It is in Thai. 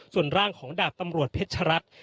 ส่วนร่างของดาบตำรวจเพชรัตน์